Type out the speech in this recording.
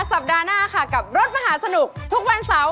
สัปดาห์หน้ากับรถมหาสนุก